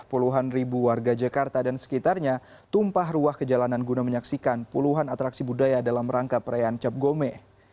puluhan ribu warga jakarta dan sekitarnya tumpah ruah ke jalanan guna menyaksikan puluhan atraksi budaya dalam rangka perayaan cap gome